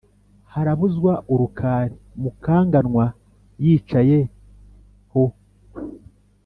harabuzwa urukari mukanganwa yicaye ho,